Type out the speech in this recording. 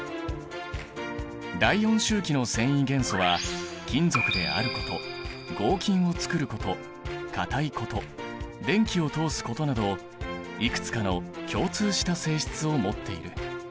第４周期の遷移元素は金属であること合金をつくることかたいこと電気を通すことなどいくつかの共通した性質を持っている。